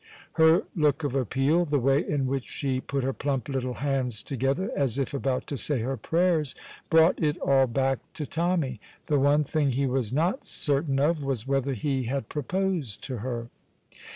Her look of appeal, the way in which she put her plump little hands together, as if about to say her prayers, brought it all back to Tommy. The one thing he was not certain of was whether he had proposed to her.